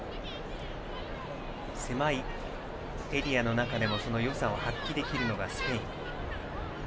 狭いエリアの中でもそのよさを発揮できるスペイン。